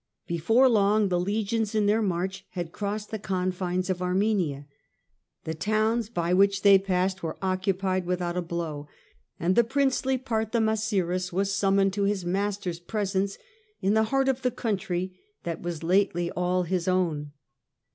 Before long the legions in their march had crossed the confines of Armenia ; the towns by which they passed were occupied without a blow, and the princely Partha masiris was summoned to his master's presence in the heart of the country that was lately all his own.